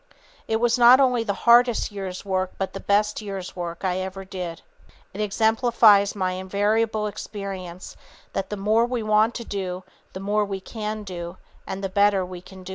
"It was not only the hardest year's work but the best year's work I ever did. _It exemplifies my invariable experience that the more we want to do the more we can do and the better we can do it.